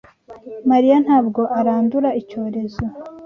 Mariya ntabwo arandura icyorezo.